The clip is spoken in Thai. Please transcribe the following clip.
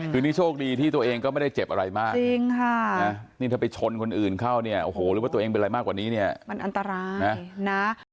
คือนี่โชคดีที่ตัวเองก็ไม่ได้เจ็บอะไรมากจริงค่ะนะนี่ถ้าไปชนคนอื่นเข้าเนี่ยโอ้โหหรือว่าตัวเองเป็นอะไรมากกว่านี้เนี่ยมันอันตรายนะ